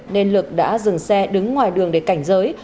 nên lực đã dừng xe đứng ngoài đường để cảnh giới